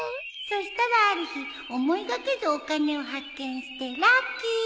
そしたらある日思いがけずお金を発見してラッキー